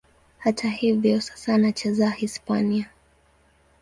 Hata hivyo, sasa anacheza Hispania.